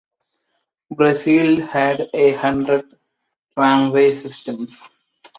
Brazil had a hundred tramway systems.